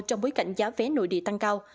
trong bối cảnh giá vé nội địa tăng cao